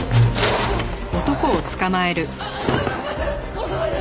殺さないで！